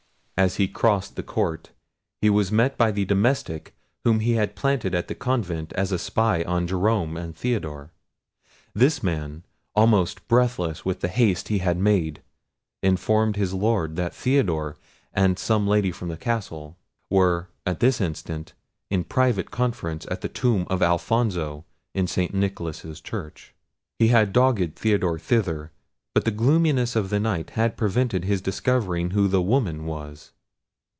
As he crossed the court, he was met by the domestic whom he had planted at the convent as a spy on Jerome and Theodore. This man, almost breathless with the haste he had made, informed his Lord that Theodore, and some lady from the castle were, at that instant, in private conference at the tomb of Alfonso in St. Nicholas's church. He had dogged Theodore thither, but the gloominess of the night had prevented his discovering who the woman was.